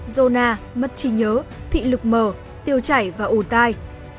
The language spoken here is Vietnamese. zona mất chi nhớ thị lực mờ tiêu chảy và ồn tai